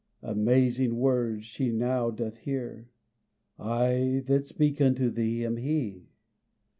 Amazing words she now doth hear, "I that speak unto thee am he."